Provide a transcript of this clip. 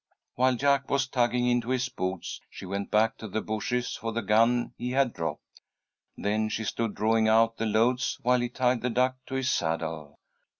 While Jack was tugging into his boots, she went back to the bushes for the gun he had dropped. Then she stood drawing out the loads while he tied the duck to his saddle.